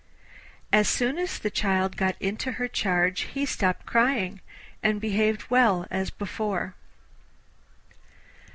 As soon as the child got into her charge he stopped crying, and behaved well as before.